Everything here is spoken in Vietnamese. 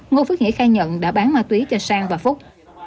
ngô phước hĩ khai nhận đã bán ma túy cho sang và phúc